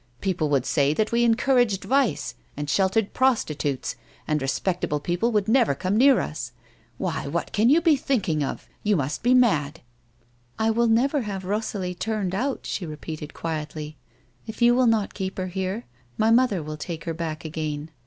"People would say that we encouraged vice, and sheltered prostitutes, and respectable people would never come near us. Why, what can you be thinking of? You must be mad !"" I will never have Kosalie turned out," she repeated, quietly. "If you will not keep her here, my mother will take her back again.